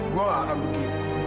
gue gak akan begini